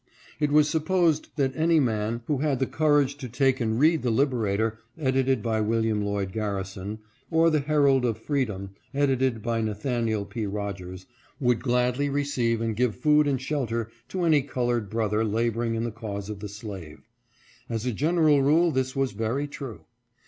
It was supposed that any man who had the courage to take and read the Liberator, edited by William Lloyd Garrison, or the Herald of Freedom, edited by Na COLORPHOBIA IN NEW HAMPSHIRE. 555 thaniel P. Rodgers, would gladly receive and give food and shelter to any colored brother laboring in the cause of the slave. As a general rule this was very true.